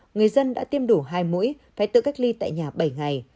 người dân đã tiêm đủ hai mũi phải tự cách ly tại nhà bảy ngày